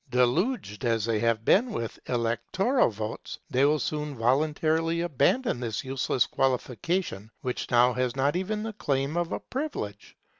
Deluged as they have been with electoral votes, they will soon voluntarily abandon this useless qualification, which now has not even the charm of a privilege.